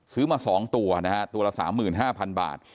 ซื้อมา๒ตัวนะฮะตัวละ๓๕๐๐๐บาท